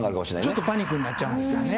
ちょっとパニックになっちゃうんですよね。